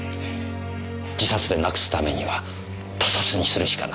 自殺でなくすためには他殺にするしかない。